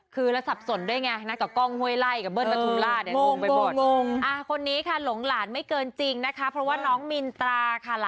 คือแล้วสับสนด้วยไงนักกองเฮ้ยไล่กับเบิ้ลปฐุมราช